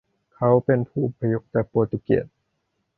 เขาเป็นผู้อพยพจากโปรตุเกส